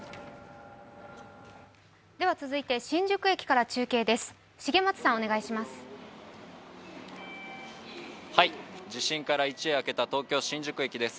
続いて新宿駅から中継です。